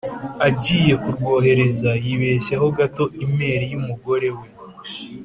agiye kurwohereza yibeshyaho gato e-mail y’umugore we